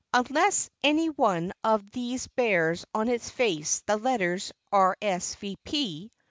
Unless any one of these bears on its face the letters "R. s. v.